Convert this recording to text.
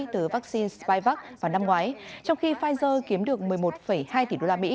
từ vaccine spivak vào năm ngoái trong khi pfizer kiếm được một mươi một hai tỷ đô la mỹ